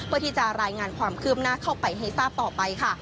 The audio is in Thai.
เพื่อที่จะรายงานความคืบหน้าเข้าไปให้ทราบต่อไปค่ะ